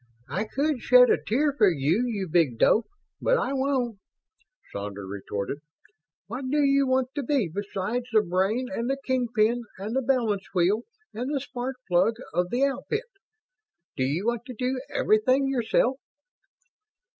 "I could shed a tear for you, you big dope, but I won't," Sandra retorted. "What do you want to be, besides the brain and the kingpin and the balance wheel and the spark plug of the outfit? Do you want to do everything yourself?"